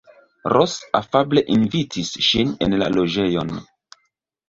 Ros afable invitis ŝin en la loĝejon.